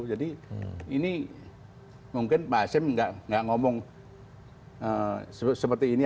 jadi ini mungkin pak azim nggak ngomong seperti ini